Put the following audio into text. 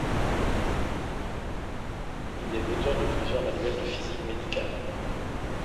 Il est l’auteur de plusieurs manuels de physique médicale.